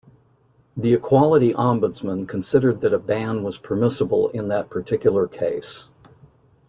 The Equality Ombudsman considered that a ban was permissible in that particular case.